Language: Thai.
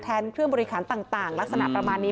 เครื่องบริหารต่างลักษณะประมาณนี้